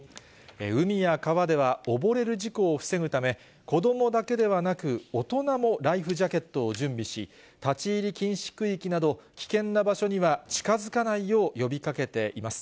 海や川では、溺れる事故を防ぐため、子どもだけではなく、大人もライフジャケットを準備し、立ち入り禁止区域など、危険な場所には近づかないよう呼びかけています。